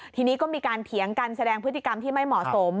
ทีนี้ก็มีการเถียงกันแสดงพฤติกรรมที่ไม่เหมาะสม